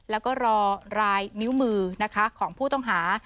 แล้วก็รอรายนิ้วมือนะคะของผู้ต้องหา